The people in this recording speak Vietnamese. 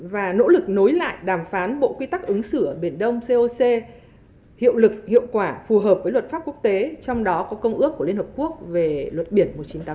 và nỗ lực nối lại đàm phán bộ quy tắc ứng xử ở biển đông coc hiệu lực hiệu quả phù hợp với luật pháp quốc tế trong đó có công ước của liên hợp quốc về luật biển một nghìn chín trăm tám mươi